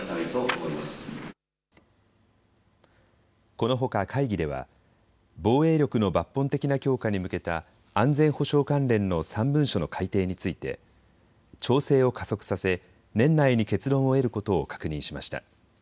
このほか会議では、防衛力の抜本的な強化に向けた安全保障関連の３文書の改定について調整を加速させ年内に結論を得ることを確認しました。